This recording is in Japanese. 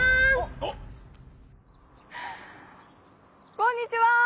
こんにちは！